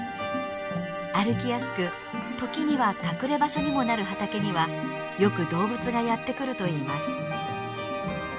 歩きやすく時には隠れ場所にもなる畑にはよく動物がやって来るといいます。